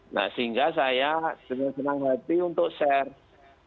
nah sehingga saya dengan senang hati untuk share